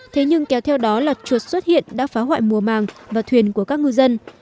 thế nhưng kéo theo đó là chuột xuất hiện đã phá hoại mùa màng và thuyền của các ngư dân